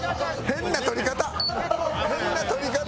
変な撮り方。